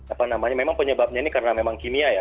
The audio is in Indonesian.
apa namanya memang penyebabnya ini karena memang kimia ya